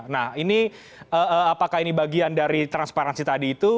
nah ini apakah ini bagian dari transparansi tadi itu